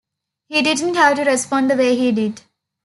He didn't have to respond the way he did.